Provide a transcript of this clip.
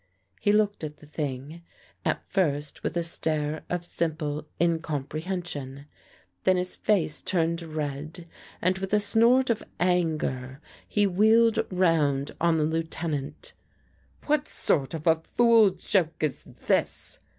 He looked at the thing, at first with a stare of simple incomprehension; then his face turned red and, with a snort of anger, he wheeled round on the Lieutenant. 86 THE FACE UNDER THE PAINT " What sort of a fool joke is this?